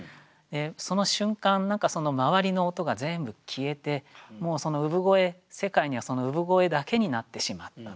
その瞬間何か周りの音が全部消えてもうその産声世界にはその産声だけになってしまったとか。